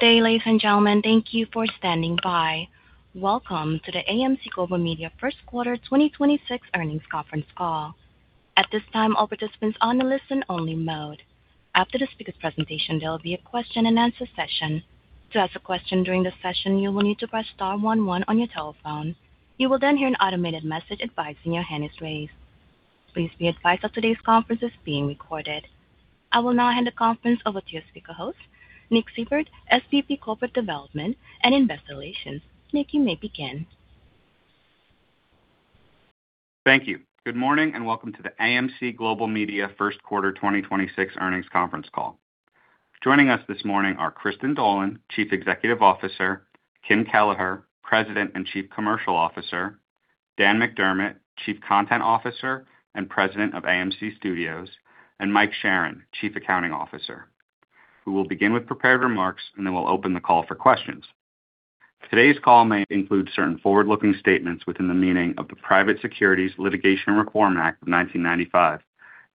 Good day, ladies and gentlemen. Thank you for standing by. Welcome to the AMC Global Media first quarter 2026 earnings conference call. At this time, all participants on the listen only mode. After the speaker presentation, there will be a question and answer session. To ask a question during the session, you will need to press star one one on your telephone. You will hear an automated message advising your hand is raised. Please be advised that today's conference is being recorded. I will now hand the conference over to your speaker host, Nick Seibert, SVP, Corporate Development and Investor Relations. Nick, you may begin. Thank you. Good morning and welcome to the AMC Global Media first quarter 2026 earnings conference call. Joining us this morning are Kristin Dolan, Chief Executive Officer, Kim Kelleher, President and Chief Commercial Officer, Dan McDermott, Chief Content Officer and President of AMC Studios, and Mike Sherin, Chief Accounting Officer. We will begin with prepared remarks, and then we'll open the call for questions. Today's call may include certain forward-looking statements within the meaning of the Private Securities Litigation Reform Act of 1995.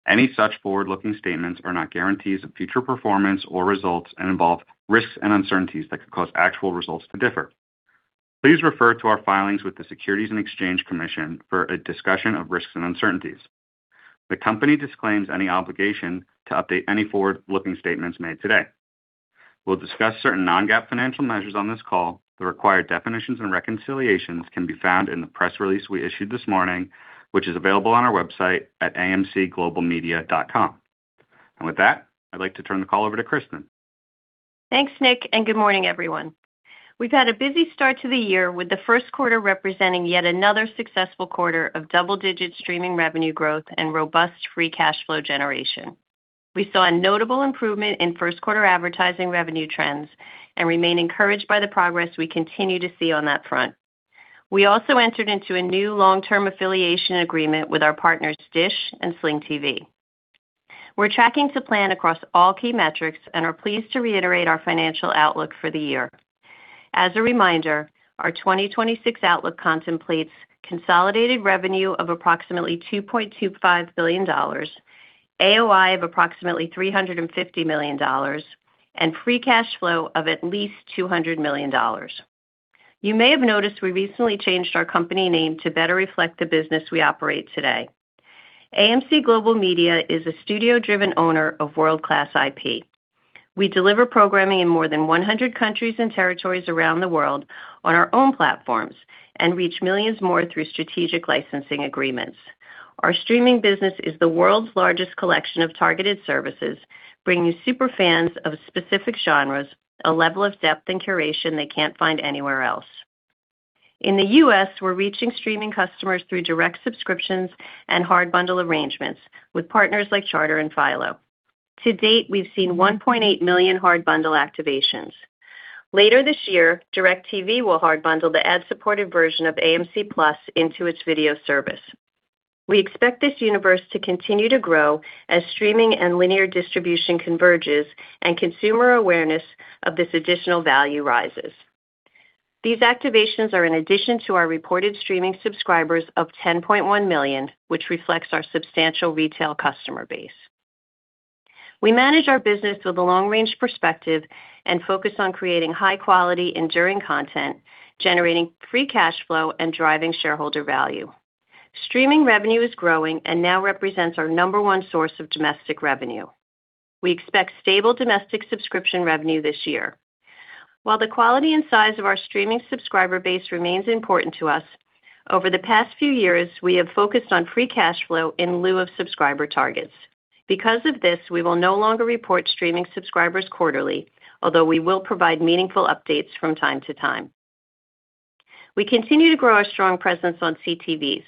Any such forward-looking statements are not guarantees of future performance or results and involve risks and uncertainties that could cause actual results to differ. Please refer to our filings with the Securities and Exchange Commission for a discussion of risks and uncertainties. The company disclaims any obligation to update any forward-looking statements made today. We'll discuss certain non-GAAP financial measures on this call. The required definitions and reconciliations can be found in the press release we issued this morning, which is available on our website at amcglobalmedia.com. With that, I'd like to turn the call over to Kristin. Thanks, Nick, and good morning, everyone. We've had a busy start to the year with the first quarter representing yet another successful quarter of double-digit streaming revenue growth and robust free cash flow generation. We saw a notable improvement in first quarter advertising revenue trends and remain encouraged by the progress we continue to see on that front. We also entered into a new long-term affiliation agreement with our partners DISH and Sling TV. We're tracking to plan across all key metrics and are pleased to reiterate our financial outlook for the year. As a reminder, our 2026 outlook contemplates consolidated revenue of approximately $2.25 billion, AOI of approximately $350 million and free cash flow of at least $200 million. You may have noticed we recently changed our company name to better reflect the business we operate today. AMC Global Media is a studio-driven owner of world-class IP. We deliver programming in more than 100 countries and territories around the world on our own platforms and reach millions more through strategic licensing agreements. Our streaming business is the world's largest collection of targeted services, bringing super fans of specific genres a level of depth and curation they can't find anywhere else. In the U.S., we're reaching streaming customers through direct subscriptions and hard bundle arrangements with partners like Charter and Philo. To date, we've seen 1.8 million hard bundle activations. Later this year, DIRECTV will hard bundle the ad-supported version of AMC+ into its video service. We expect this universe to continue to grow as streaming and linear distribution converges and consumer awareness of this additional value rises. These activations are in addition to our reported streaming subscribers of 10.1 million, which reflects our substantial retail customer base. We manage our business with a long-range perspective and focus on creating high quality, enduring content, generating free cash flow and driving shareholder value. Streaming revenue is growing and now represents our number one source of domestic revenue. We expect stable domestic subscription revenue this year. While the quality and size of our streaming subscriber base remains important to us, over the past few years, we have focused on free cash flow in lieu of subscriber targets. Because of this, we will no longer report streaming subscribers quarterly, although we will provide meaningful updates from time to time. We continue to grow our strong presence on CTVs.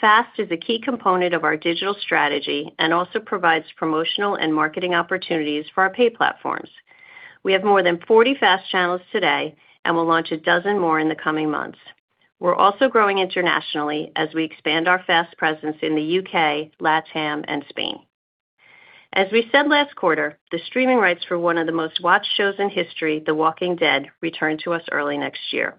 FAST is a key component of our digital strategy and also provides promotional and marketing opportunities for our pay platforms. We have more than 40 FAST channels today and will launch 12 more in the coming months. We're also growing internationally as we expand our FAST presence in the U.K., LATAM and Spain. As we said last quarter, the streaming rights for one of the most-watched shows in history, The Walking Dead, return to us early next year.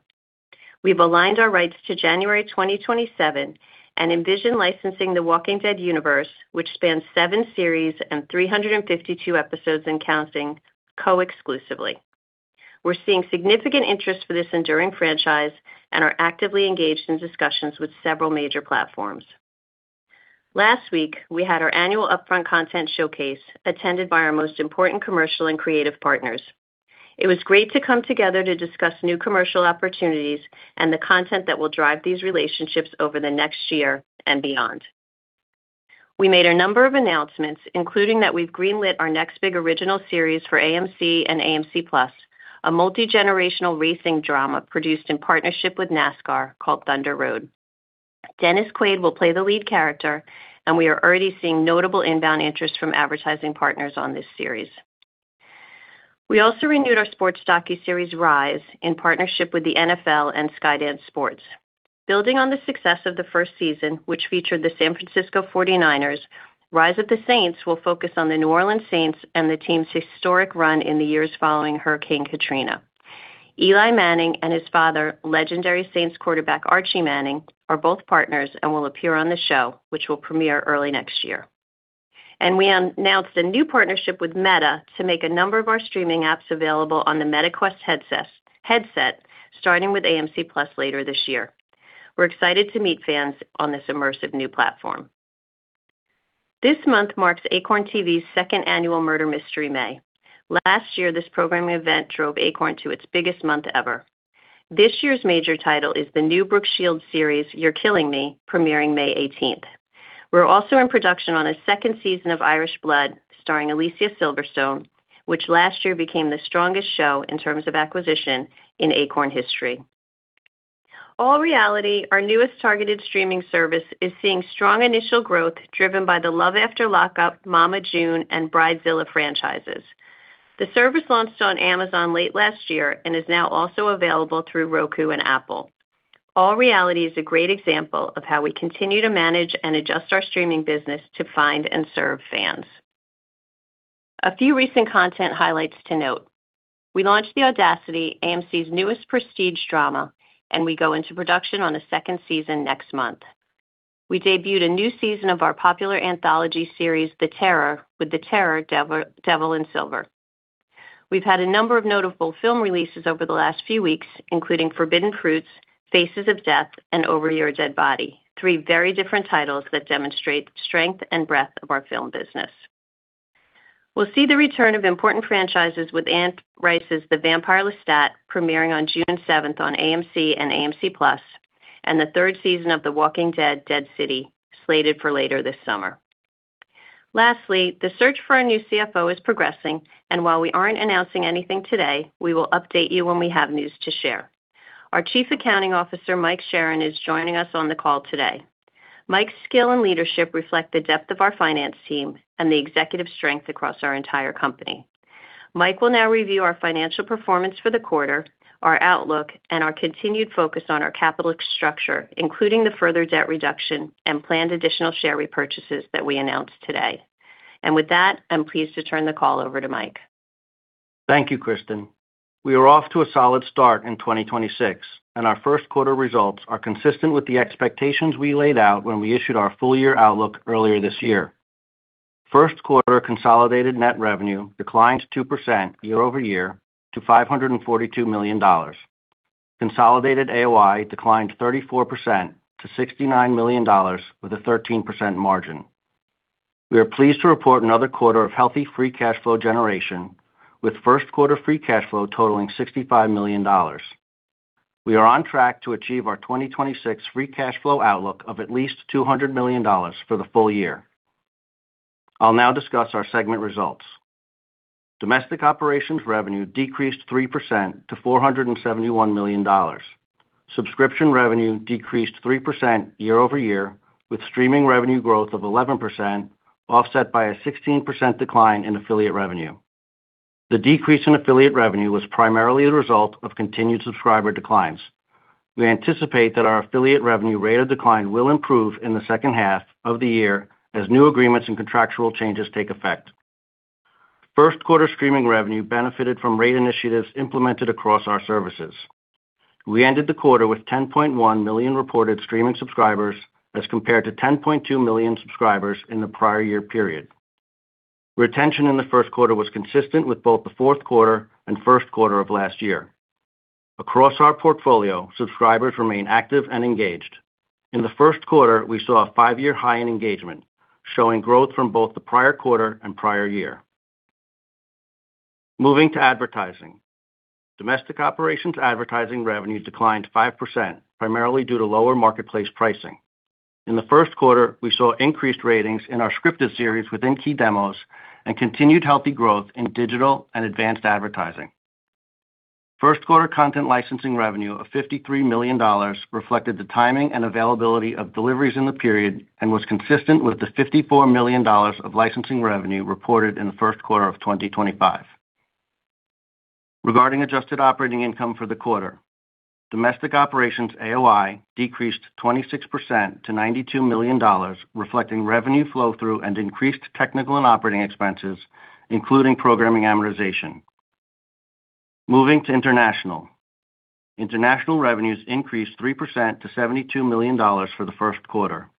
We've aligned our rights to January 2027 and envision licensing The Walking Dead universe, which spans seven series and 352 episodes and counting, co-exclusively. We're seeing significant interest for this enduring franchise and are actively engaged in discussions with several major platforms. Last week, we had our annual upfront content showcase attended by our most important commercial and creative partners. It was great to come together to discuss new commercial opportunities and the content that will drive these relationships over the next year and beyond. We made a number of announcements, including that we've greenlit our next big original series for AMC and AMC+, a multi-generational racing drama produced in partnership with NASCAR called Thunder Road. Dennis Quaid will play the lead character, and we are already seeing notable inbound interest from advertising partners on this series. We also renewed our sports docuseries Rise in partnership with the NFL and Skydance Sports. Building on the success of the first season, which featured the San Francisco 49ers, Rise of the Saints will focus on the New Orleans Saints and the team's historic run in the years following Hurricane Katrina. Eli Manning and his father, legendary Saints quarterback Archie Manning, are both partners and will appear on the show, which will premiere early next year. We announced a new partnership with Meta to make a number of our streaming apps available on the Meta Quest headsets, starting with AMC+ later this year. We're excited to meet fans on this immersive new platform. This month marks Acorn TV's second annual Murder Mystery May. Last year, this programming event drove Acorn to its biggest month ever. This year's major title is the new Brooke Shields series, You're Killing Me, premiering May 18th. We're also in production on a second season of Irish Blood, starring Alicia Silverstone, which last year became the strongest show in terms of acquisition in Acorn history. All Reality, our newest targeted streaming service, is seeing strong initial growth driven by the Love After Lockup, Mama June, and Bridezillas franchises. The service launched on Amazon late last year and is now also available through Roku and Apple. All Reality is a great example of how we continue to manage and adjust our streaming business to find and serve fans. A few recent content highlights to note. We launched The Audacity, AMC's newest prestige drama, and we go into production on a second season next month. We debuted a new season of our popular anthology series, The Terror, with The Terror: Devil in Silver. We've had a number of notable film releases over the last few weeks, including Forbidden Fruits, Faces of Death, and Over Your Dead Body, three very different titles that demonstrate strength and breadth of our film business. We'll see the return of important franchises with Anne Rice's The Vampire Lestat, premiering on June 7th on AMC and AMC+, and the third season of The Walking Dead: Dead City, slated for later this summer. Lastly, the search for our new CFO is progressing, and while we aren't announcing anything today, we will update you when we have news to share. Our Chief Accounting Officer, Mike Sherin, is joining us on the call today. Mike's skill and leadership reflect the depth of our finance team and the executive strength across our entire company. Mike will now review our financial performance for the quarter, our outlook, and our continued focus on our capital structure, including the further debt reduction and planned additional share repurchases that we announced today. With that, I'm pleased to turn the call over to Mike. Thank you, Kristin. We are off to a solid start in 2026. Our first quarter results are consistent with the expectations we laid out when we issued our full year outlook earlier this year. First quarter consolidated net revenue declined 2% year-over-year to $542 million. Consolidated AOI declined 34% to $69 million, with a 13% margin. We are pleased to report another quarter of healthy free cash flow generation, with first quarter free cash flow totaling $65 million. We are on track to achieve our 2026 free cash flow outlook of at least $200 million for the full year. I'll now discuss our segment results. Domestic operations revenue decreased 3% to $471 million. Subscription revenue decreased 3% year-over-year, with streaming revenue growth of 11% offset by a 16% decline in affiliate revenue. The decrease in affiliate revenue was primarily a result of continued subscriber declines. We anticipate that our affiliate revenue rate of decline will improve in the second half of the year as new agreements and contractual changes take effect. First quarter streaming revenue benefited from rate initiatives implemented across our services. We ended the quarter with 10.1 million reported streaming subscribers as compared to 10.2 million subscribers in the prior year period. Retention in the first quarter was consistent with both the fourth quarter and first quarter of last year. Across our portfolio, subscribers remain active and engaged. In the first quarter, we saw a five-year high in engagement, showing growth from both the prior quarter and prior year. Moving to advertising. Domestic operations advertising revenue declined 5%, primarily due to lower marketplace pricing. In the first quarter, we saw increased ratings in our scripted series within key demos and continued healthy growth in digital and advanced advertising. First quarter content licensing revenue of $53 million reflected the timing and availability of deliveries in the period and was consistent with the $54 million of licensing revenue reported in the first quarter of 2025. Regarding adjusted operating income for the quarter, domestic operations AOI decreased 26% to $92 million, reflecting revenue flow-through and increased technical and operating expenses, including programming amortization. Moving to international. International revenues increased 3% to $72 million for the first quarter.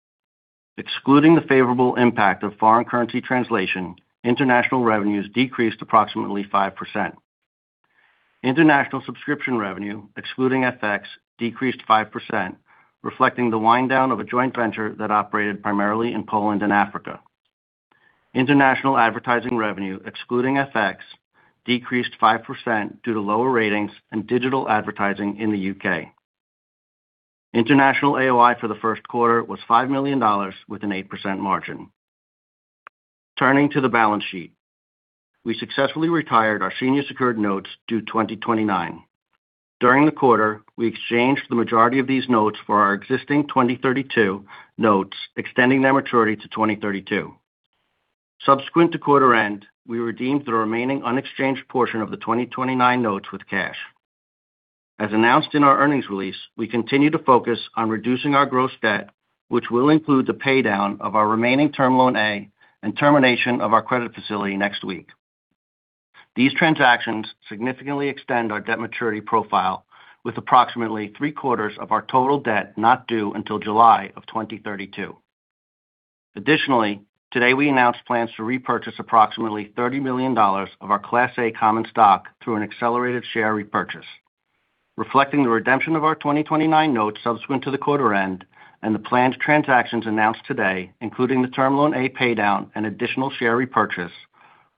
Excluding the favorable impact of foreign currency translation, international revenues decreased approximately 5%. International subscription revenue, excluding FX, decreased 5%, reflecting the wind down of a joint venture that operated primarily in Poland and Africa. International advertising revenue, excluding FX, decreased 5% due to lower ratings and digital advertising in the U.K. International AOI for the first quarter was $5 million with an 8% margin. Turning to the balance sheet. We successfully retired our senior secured notes due 2029. During the quarter, we exchanged the majority of these notes for our existing 2032 notes, extending their maturity to 2032. Subsequent to quarter end, we redeemed the remaining unexchanged portion of the 2029 notes with cash. As announced in our earnings release, we continue to focus on reducing our gross debt, which will include the pay down of our remaining Term Loan A and termination of our credit facility next week. These transactions significantly extend our debt maturity profile with approximately three quarters of our total debt not due until July of 2032. Additionally, today we announced plans to repurchase approximately $30 million of our Class A common stock through an accelerated share repurchase. Reflecting the redemption of our 2029 notes subsequent to the quarter end and the planned transactions announced today, including the Term Loan A pay down and additional share repurchase,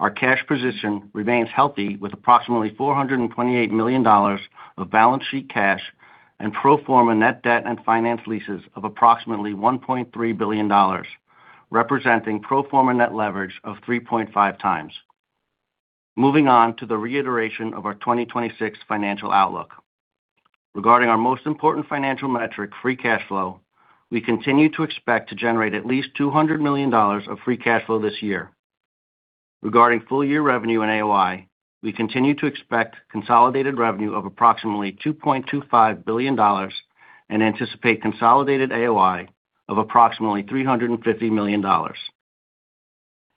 our cash position remains healthy with approximately $428 million of balance sheet cash and pro forma net debt and finance leases of approximately $1.3 billion, representing pro forma net leverage of 3.5x. Moving on to the reiteration of our 2026 financial outlook. Regarding our most important financial metric, free cash flow, we continue to expect to generate at least $200 million of free cash flow this year. Regarding full year revenue and AOI, we continue to expect consolidated revenue of approximately $2.25 billion and anticipate consolidated AOI of approximately $350 million.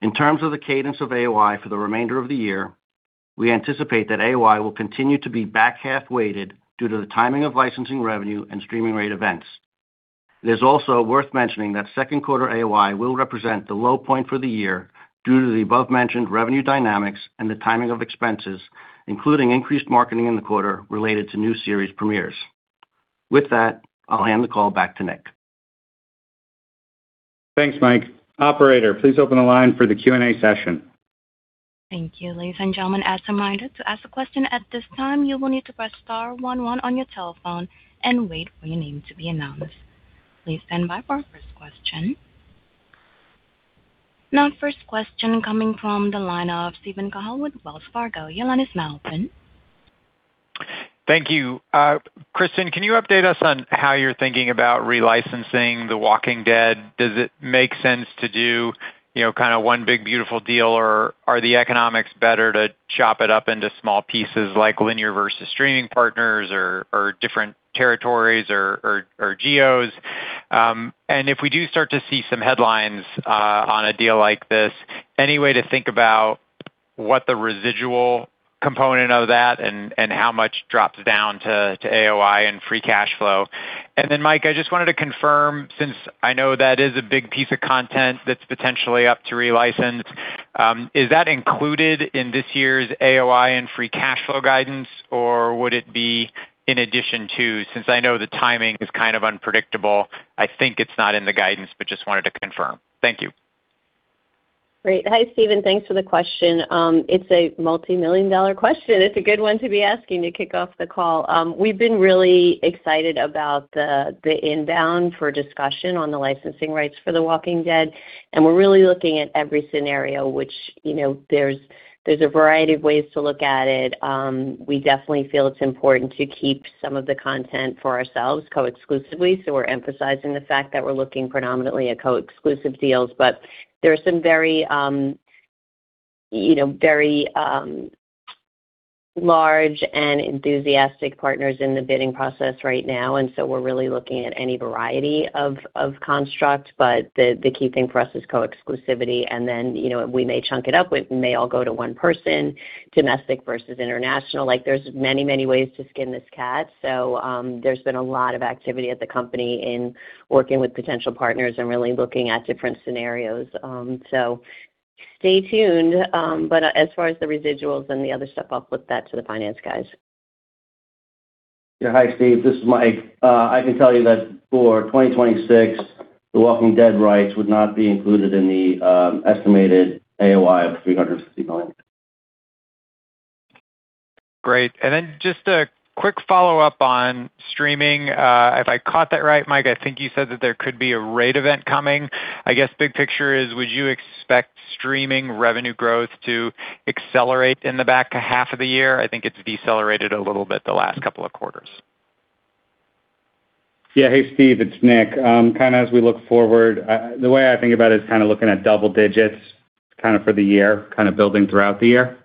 In terms of the cadence of AOI for the remainder of the year, we anticipate that AOI will continue to be back half weighted due to the timing of licensing revenue and streaming rate events. It is also worth mentioning that second quarter AOI will represent the low point for the year due to the above-mentioned revenue dynamics and the timing of expenses, including increased marketing in the quarter related to new series premieres. With that, I'll hand the call back to Nick. Thanks, Mike. Operator, please open the line for the Q&A session. Thank you. Ladies and gentlemen, as a reminder, to ask a question at this time, you will need to press star one one on your telephone and wait for your name to be announced. Please stand by for our first question. Now, first question coming from the line of Steven Cahall with Wells Fargo. Your line is now open. Thank you. Kristin, can you update us on how you're thinking about re-licensing The Walking Dead? Does it make sense to do, you know, kind of one big beautiful deal? Are the economics better to chop it up into small pieces like linear versus streaming partners or different territories or geos? If we do start to see some headlines on a deal like this, any way to think about what the residual component of that and how much drops down to AOI and free cash flow? Then Mike, I just wanted to confirm, since I know that is a big piece of content that's potentially up to relicense, is that included in this year's AOI and free cash flow guidance, or would it be in addition to? Since I know the timing is kind of unpredictable, I think it's not in the guidance, but just wanted to confirm. Thank you. Great. Hi, Steven. Thanks for the question. It's a multimillion-dollar question. It's a good one to be asking to kick off the call. We've been really excited about the inbound for discussion on the licensing rights for The Walking Dead, we're really looking at every scenario which, you know, there's a variety of ways to look at it. We definitely feel it's important to keep some of the content for ourselves co-exclusively, so we're emphasizing the fact that we're looking predominantly at co-exclusive deals. There are some very, you know, large and enthusiastic partners in the bidding process right now. We're really looking at any variety of construct, but the key thing for us is co-exclusivity. You know, we may chunk it up. It may all go to one person, domestic versus international. Like, there's many ways to skin this cat. There's been a lot of activity at the company in working with potential partners and really looking at different scenarios. Stay tuned. As far as the residuals and the other stuff, I'll flip that to the finance guys. Yeah. Hi, Steve. This is Mike. I can tell you that for 2026, The Walking Dead rights would not be included in the estimated AOI of $350 million. Great. Just a quick follow-up on streaming. If I caught that right, Mike, I think you said that there could be a rate event coming. I guess big picture is, would you expect streaming revenue growth to accelerate in the back half of the year? I think it's decelerated a little bit the last couple of quarters. Yeah. Hey, Steve, it's Nick. Kinda as we look forward, the way I think about it is kinda looking at double digits kinda for the year, kinda building throughout the year.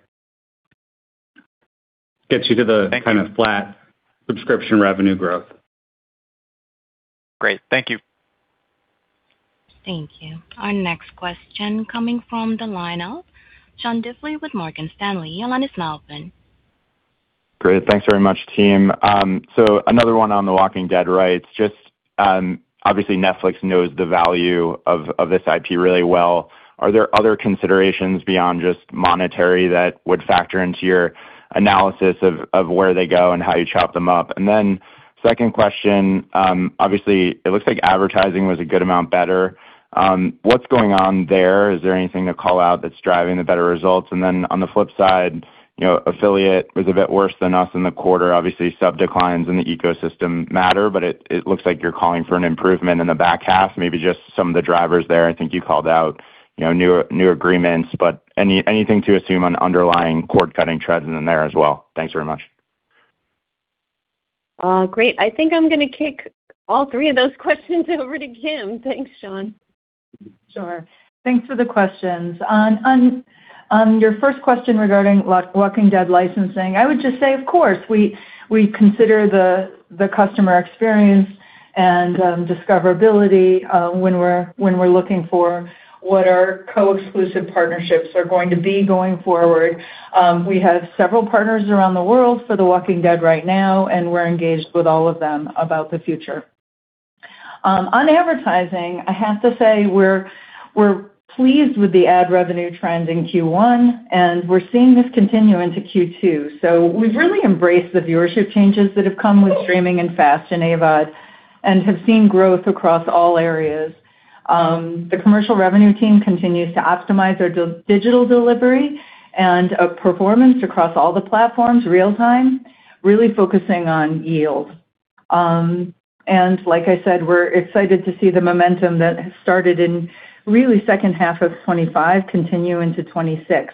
Thank you. Kind of flat subscription revenue growth. Great. Thank you. Thank you. Our next question coming from the line of Sean Diffley with Morgan Stanley. Your line is now open. Great. Thanks very much, team. Another one on The Walking Dead, right? Obviously Netflix knows the value of this IP really well. Are there other considerations beyond just monetary that would factor into your analysis of where they go and how you chop them up? Second question, obviously, it looks like advertising was a good amount better. What's going on there? Is there anything to call out that's driving the better results? On the flip side, you know, affiliate was a bit worse than us in the quarter. Obviously, sub declines in the ecosystem matter, but it looks like you're calling for an improvement in the back half. Maybe just some of the drivers there. I think you called out, you know, new agreements, but anything to assume on underlying cord-cutting trends in there as well. Thanks very much. Great. I think I'm gonna kick all three of those questions over to Kim. Thanks, Sean. Sure. Thanks for the questions. On your first question regarding The Walking Dead licensing, I would just say, of course, we consider the customer experience and discoverability when we're looking for what our co-exclusive partnerships are going to be going forward. We have several partners around the world for The Walking Dead right now, and we're engaged with all of them about the future. On advertising, I have to say we're pleased with the ad revenue trends in Q1, and we're seeing this continue into Q2. We've really embraced the viewership changes that have come with streaming and FAST in AVOD and have seen growth across all areas. The commercial revenue team continues to optimize their digital delivery and performance across all the platforms real time, really focusing on yield. Like I said, we're excited to see the momentum that has started in really second half of 2025 continue into 2026.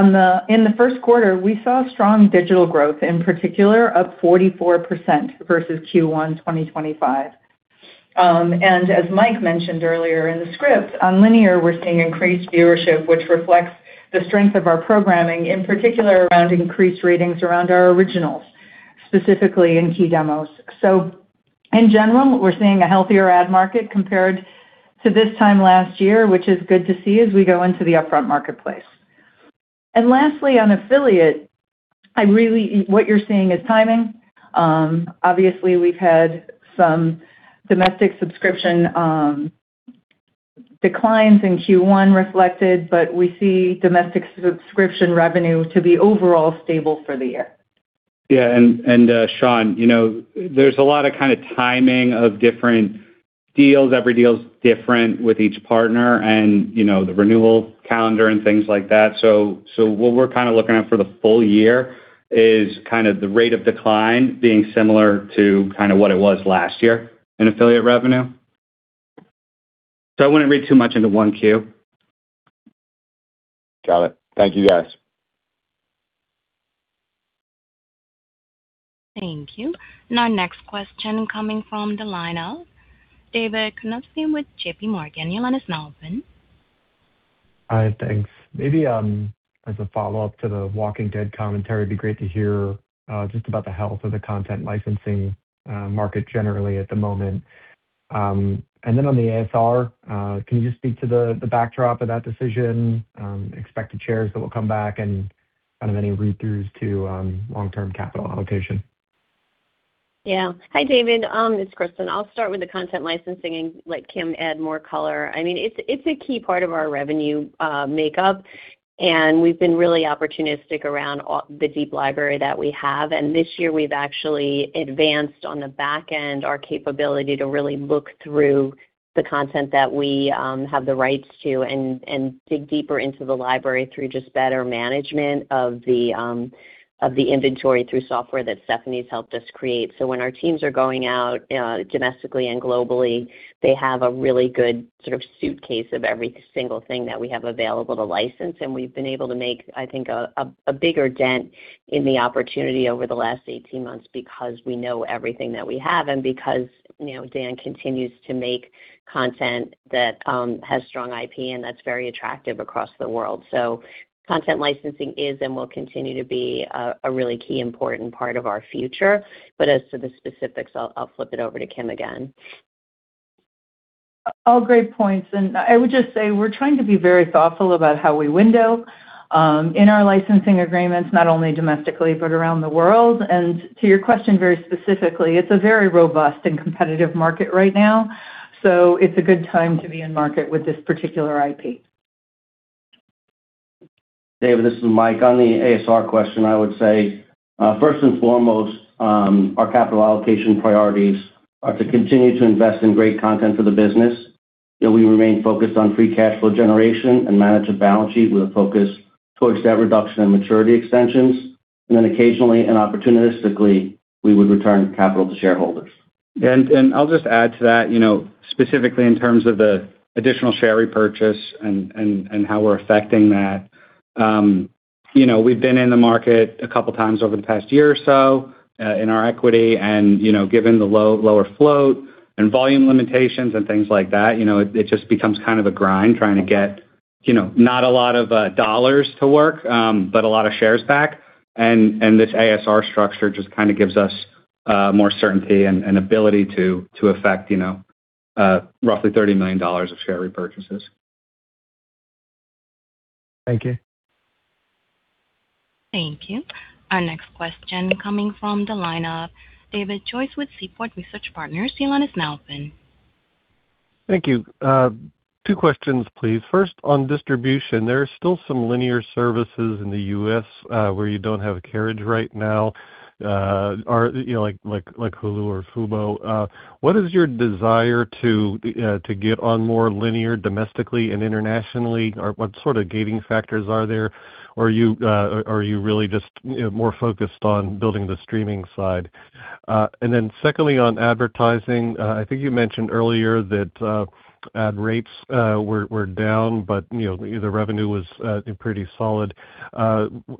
In the first quarter, we saw strong digital growth, in particular up 44% versus Q1 2025. As Mike mentioned earlier in the script, on linear, we're seeing increased viewership, which reflects the strength of our programming, in particular around increased ratings around our originals, specifically in key demos. In general, we're seeing a healthier ad market compared to this time last year, which is good to see as we go into the upfront marketplace. Lastly, on affiliate, what you're seeing is timing. Obviously, we've had some domestic subscription declines in Q1 reflected, but we see domestic subscription revenue to be overall stable for the year. Yeah. Sean, you know, there's a lot of timing of different deals. Every deal is different with each partner and, you know, the renewal calendar and things like that. What we're looking at for the full year is the rate of decline being similar to what it was last year in affiliate revenue. I wouldn't read too much into 1Q. Got it. Thank you, guys. Thank you. Our next question coming from the line of David Karnovsky with JPMorgan. Your line is now open. Hi. Thanks. Maybe, as a follow-up to The Walking Dead commentary, it'd be great to hear just about the health of the content licensing market generally at the moment. Then on the ASR, can you just speak to the backdrop of that decision, expected shares that will come back and kind of any read-throughs to long-term capital allocation? Yeah. Hi, David. It's Kristin. I'll start with the content licensing and let Kim add more color. I mean, it's a key part of our revenue makeup, and we've been really opportunistic around the deep library that we have. This year we've actually advanced on the back end our capability to really look through the content that we have the rights to and dig deeper into the library through just better management of the inventory through software that Stephanie's helped us create. When our teams are going out domestically and globally, they have a really good sort of suitcase of every single thing that we have available to license. We've been able to make, I think, a bigger dent in the opportunity over the last 18 months because we know everything that we have and because, you know, Dan continues to make content that has strong IP and that's very attractive across the world. Content licensing is and will continue to be a really key important part of our future. As to the specifics, I'll flip it over to Kim again. All great points. I would just say we're trying to be very thoughtful about how we window in our licensing agreements, not only domestically but around the world. To your question very specifically, it's a very robust and competitive market right now, so it's a good time to be in market with this particular IP. David, this is Mike. On the ASR question, I would say, first and foremost, our capital allocation priorities are to continue to invest in great content for the business. You know, we remain focused on free cash flow generation and manage the balance sheet with a focus towards debt reduction and maturity extensions. Occasionally and opportunistically, we would return capital to shareholders. I'll just add to that, you know, specifically in terms of the additional share repurchase and how we're affecting that. You know, we've been in the market a couple times over the past year or so in our equity. You know, given the lower float and volume limitations and things like that, you know, it just becomes kind of a grind trying to get, you know, not a lot of dollars to work, but a lot of shares back. This ASR structure just kinda gives us more certainty and ability to affect, you know, roughly $30 million of share repurchases. Thank you. Thank you. Our next question coming from the line of David Joyce with Seaport Research Partners. Your line is now open. Thank you. Two questions, please. First, on distribution, there are still some linear services in the U.S., where you don't have a carriage right now, you know, like Hulu or Fubo. What is your desire to get on more linear domestically and internationally? Or what sort of gating factors are there? Or are you really just, you know, more focused on building the streaming side? Secondly, on advertising, I think you mentioned earlier that ad rates were down, but, you know, the revenue was pretty solid.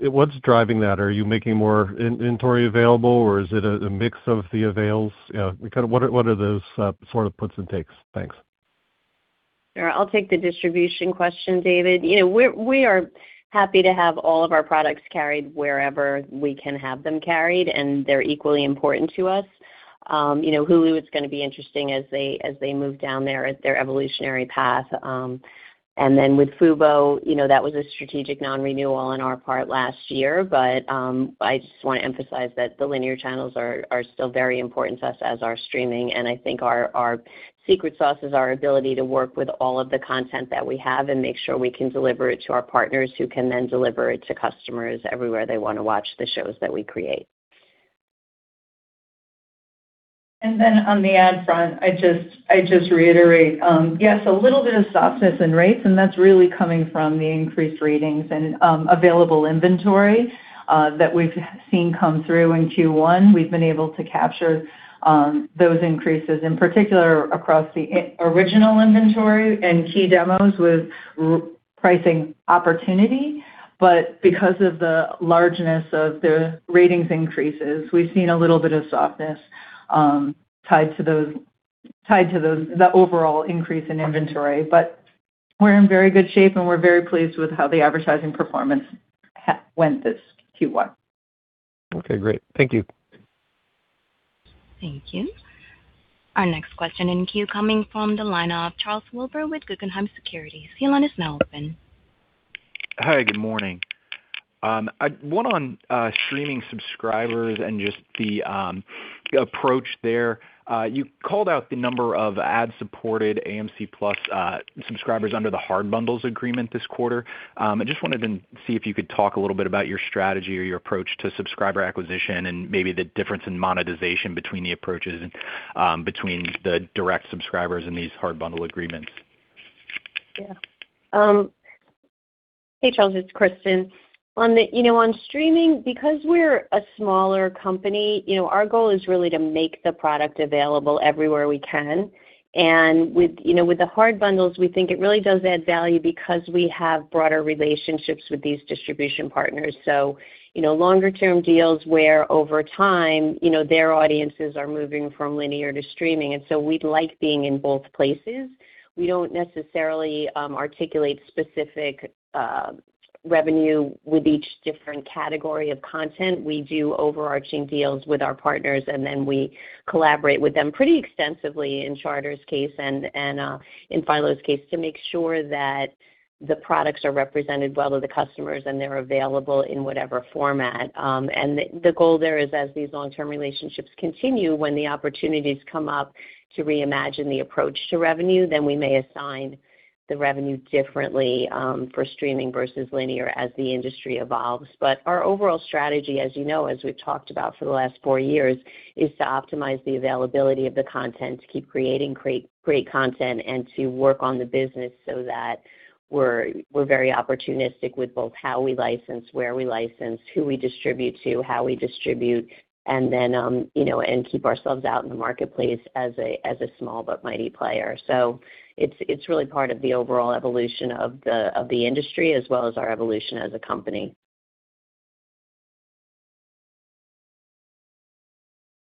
What's driving that? Are you making more in-inventory available, or is it a mix of the avails? Kind of what are those sort of puts and takes? Thanks. Sure. I'll take the distribution question, David. You know, we are happy to have all of our products carried wherever we can have them carried, and they're equally important to us. You know, Hulu is gonna be interesting as they move down their evolutionary path. Then with Fubo, you know, that was a strategic non-renewal on our part last year. I just wanna emphasize that the linear channels are still very important to us as our streaming. I think our secret sauce is our ability to work with all of the content that we have and make sure we can deliver it to our partners, who can then deliver it to customers everywhere they wanna watch the shows that we create. On the ad front, I just reiterate, yes, a little bit of softness in rates, and that's really coming from the increased ratings and available inventory that we've seen come through in Q1. We've been able to capture those increases, in particular across the original inventory and key demos with pricing opportunity. Because of the largeness of the ratings increases, we've seen a little bit of softness tied to those, the overall increase in inventory. We're in very good shape, and we're very pleased with how the advertising performance went this Q1. Okay, great. Thank you. Thank you. Our next question in queue coming from the line of Charles Wilber with Guggenheim Securities. Your line is now open. Hi, good morning. I one on streaming subscribers and just the approach there. You called out the number of ad-supported AMC+ subscribers under the hard bundles agreement this quarter. I just wanted to see if you could talk a little bit about your strategy or your approach to subscriber acquisition and maybe the difference in monetization between the approaches and between the direct subscribers and these hard bundle agreements. Yeah. Hey, Charles, it's Kristin. You know, on streaming, because we're a smaller company, you know, our goal is really to make the product available everywhere we can. With, you know, with the hard bundles, we think it really does add value because we have broader relationships with these distribution partners. You know, longer term deals where over time, you know, their audiences are moving from linear to streaming, we'd like being in both places. We don't necessarily articulate specific revenue with each different category of content. We do overarching deals with our partners, we collaborate with them pretty extensively in Charter's case and in Philo's case, to make sure that the products are represented well to the customers and they're available in whatever format. The goal there is as these long-term relationships continue, when the opportunities come up to reimagine the approach to revenue, then we may assign the revenue differently for streaming versus linear as the industry evolves. Our overall strategy, as you know, as we've talked about for the last four years, is to optimize the availability of the content, to keep creating great content and to work on the business so that we're very opportunistic with both how we license, where we license, who we distribute to, how we distribute, and then, you know, and keep ourselves out in the marketplace as a small but mighty player. It's really part of the overall evolution of the industry as well as our evolution as a company.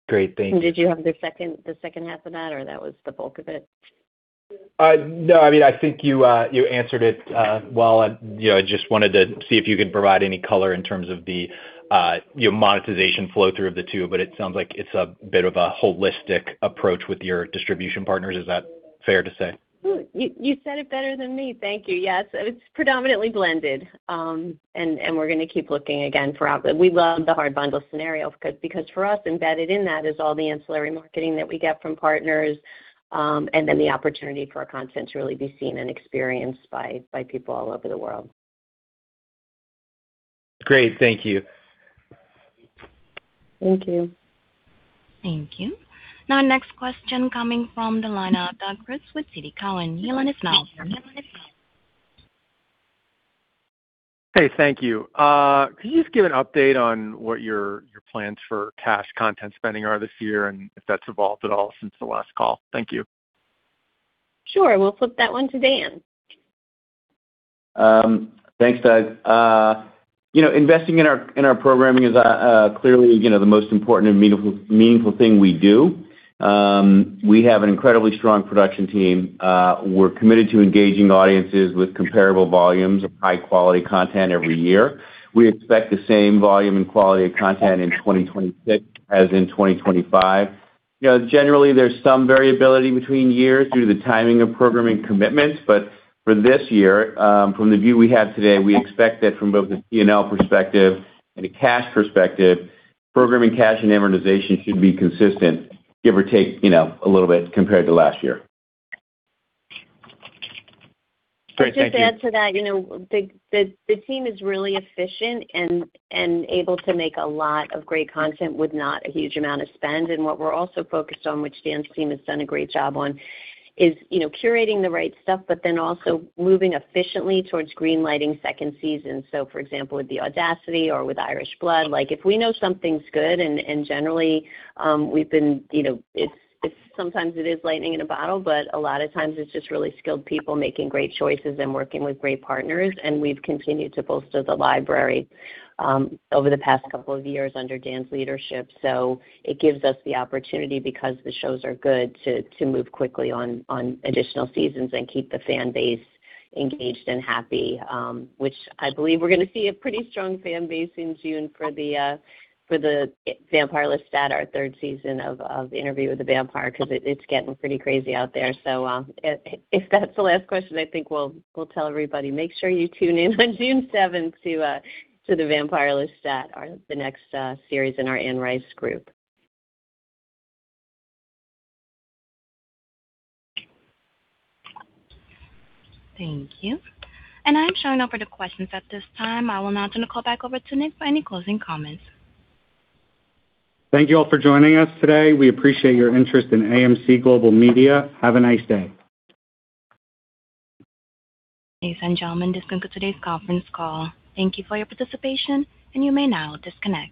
Great. Thank you. Did you have the second half of that or that was the bulk of it? No. I mean, I think you answered it, well. You know, I just wanted to see if you could provide any color in terms of the, you know, monetization flow through of the two, but it sounds like it's a bit of a holistic approach with your distribution partners. Is that fair to say? You said it better than me. Thank you. Yes. It's predominantly blended. We're gonna keep looking again for We love the hard bundle scenario because for us, embedded in that is all the ancillary marketing that we get from partners, and then the opportunity for our content to really be seen and experienced by people all over the world. Great. Thank you. Thank you. Thank you. Now next question coming from the line of Doug Creutz with TD Cowen. Your line is now open. Hey, thank you. Can you just give an update on what your plans for cash content spending are this year and if that's evolved at all since the last call? Thank you. Sure. We'll flip that one to Dan. Thanks, Doug. You know, investing in our, in our programming is clearly, you know, the most important and meaningful thing we do. We have an incredibly strong production team. We're committed to engaging audiences with comparable volumes of high quality content every year. We expect the same volume and quality of content in 2026 as in 2025. You know, generally, there's some variability between years due to the timing of programming commitments. But for this year, from the view we have today, we expect that from both a P&L perspective and a cash perspective, programming cash and amortization should be consistent, give or take, you know, a little bit compared to last year. Great. Thank you. I'll just add to that. You know, the team is really efficient and able to make a lot of great content with not a huge amount of spend. What we're also focused on, which Dan's team has done a great job on, is, you know, curating the right stuff, but then also moving efficiently towards green-lighting second seasons. For example, with The Audacity or with Irish Blood, like if we know something's good and generally, we've been, you know, it's sometimes it is lightning in a bottle, but a lot of times it's just really skilled people making great choices and working with great partners. We've continued to bolster the library over the past couple of years under Dan's leadership. It gives us the opportunity because the shows are good to move quickly on additional seasons and keep the fan base engaged and happy, which I believe we're gonna see a pretty strong fan base in June for The Vampire Lestat, our third season of Interview with the Vampire, 'cause it's getting pretty crazy out there. If that's the last question, I think we'll tell everybody, make sure you tune in on June 7th to The Vampire Lestat, the next series in our Anne Rice group. Thank you. I'm showing no further questions at this time. I will now turn the call back over to Nick for any closing comments. Thank you all for joining us today. We appreciate your interest in AMC Global Media. Have a nice day. Ladies and gentlemen, this concludes today's conference call. Thank you for your participation, and you may now disconnect.